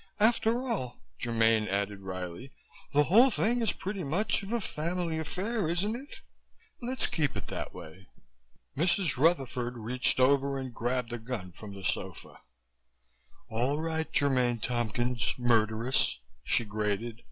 After all," Germaine added wryly, "the whole thing is pretty much of a family affair, isn't it? Let's keep it that way." Mrs. Rutherford reached over and grabbed the gun from the sofa. "All right, Germaine Tompkins, murderess," she grated.